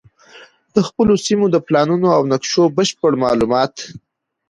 د خپلو سیمو د پلانونو او نقشو بشپړ معلومات